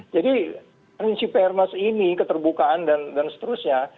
jadi prinsip fairness ini keterbukaan dan seterusnya